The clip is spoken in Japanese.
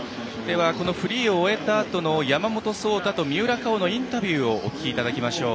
このフリーを終えたあとの山本草太と三浦佳生のインタビューをお聞きいただきましょう。